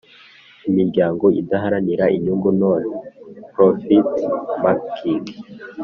Imiryango idaharanira inyungu Non profit making